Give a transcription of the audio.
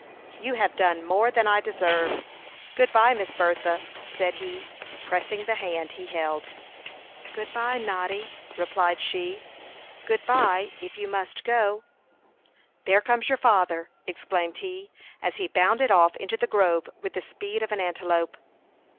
"You have done more than I deserve. Good bye, Miss Bertha," said he, pressing the hand he held. "Good bye, Noddy," replied she. "Good bye, if you must go." "There comes your father," exclaimed he, as he bounded off into the grove with the speed of an antelope.